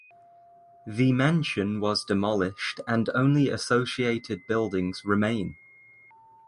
The mansion was demolished and only associated buildings remain.